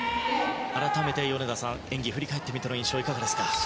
改めて米田さん演技を振り返ってみての印象いかがですか？